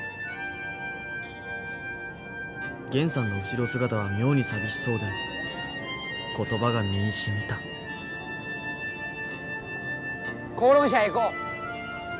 源さんの後ろ姿は妙に寂しそうで言葉が身にしみた講論社へ行こう。